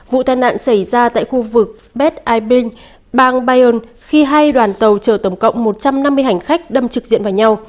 vụ tai nạn xảy ra tại khu vực beet ibing bang bayern khi hai đoàn tàu chở tổng cộng một trăm năm mươi hành khách đâm trực diện vào nhau